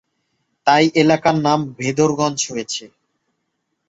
তাই এই এলাকার নাম ভেদরগঞ্জ হয়েছে।